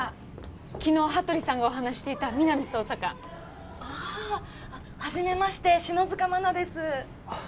昨日羽鳥さんがお話ししていた皆実捜査官ああはじめまして篠塚真菜です